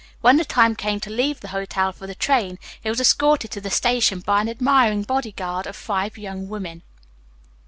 When the time came to leave the hotel for the train he was escorted to the station by an admiring bodyguard of five young women.